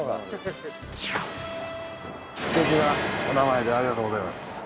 すてきなお名前でありがとうございます。